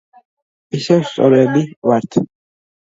ისევ სწორები ვართ.